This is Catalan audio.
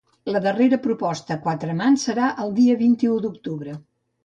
La darrera proposta a quatre mans serà el dia vint-i-u d’octubre.